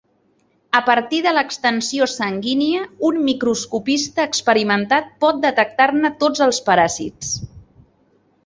A partir de l'extensió sanguínia, un microscopista experimentat pot detectar-ne tots els paràsits.